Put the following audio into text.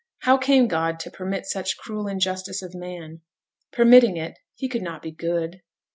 How came God to permit such cruel injustice of man? Permitting it, He could not be good.